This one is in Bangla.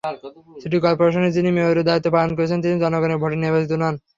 সিটি করপোরেশনের যিনি মেয়রের দায়িত্ব পালন করছেন তিনি জনগণের ভোটে নির্বাচিত নন।